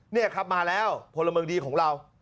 นี่ครับมาแล้วพลเมืองดีของเรา